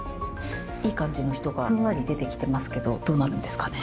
いい感じの人がふんわり出てきてますけどどうなるんですかね。